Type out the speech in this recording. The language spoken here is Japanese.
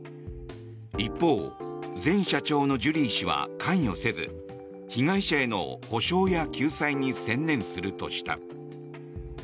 一方前社長のジュリー氏は関与せず被害者への補償や救済に専念するとした。